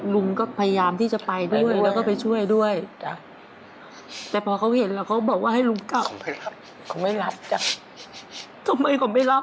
ลุงก็พยายามที่จะไปด้วยและก็ไปช่วยด้วยแล้วก็ไปด้วย